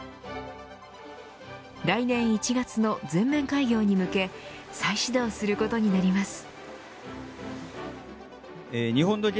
来年１月の全面開業に向け再始動することになります。